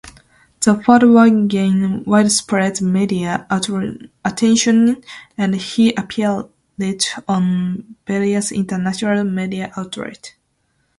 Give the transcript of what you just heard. The fatwa gained widespread media attention and he appeared on various international media outlets.